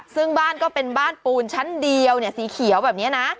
ซึ่งบ้านก็เป็นบ้านปูนชั้นเดียวสีเขียวแบบนี้นะ